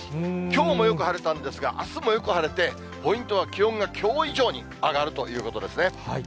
きょうもよく晴れたんですが、あすもよく晴れて、ポイントは気温がきょう以上に上がるということですね。